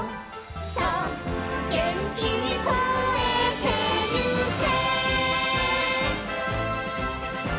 「そうげんきにこえてゆけ」